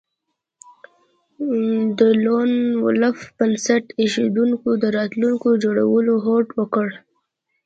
د لون وولف بنسټ ایښودونکو د راتلونکي جوړولو هوډ وکړ